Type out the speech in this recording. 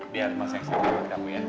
biar mas yang selalu ngebelakang kamu ya